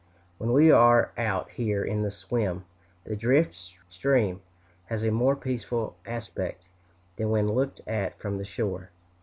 When we are out here in the swim, the drift strewn stream has a more peaceful aspect than when looked at from the shore.